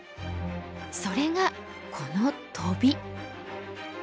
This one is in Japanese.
それがこのトビ。